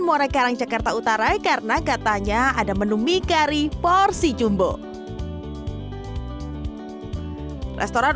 muara karang jakarta utara karena katanya ada menu mie kari porsi jumbo restoran